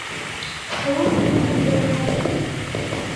Һыуы менән ер ҡәҙерле